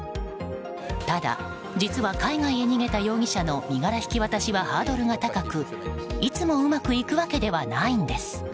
ただ実は、海外へ逃げた容疑者の身柄引き渡しはハードルが高く、いつもうまくいくわけではないんです。